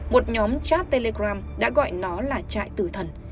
một nhóm chat telegram đã gọi nó là trại tử thần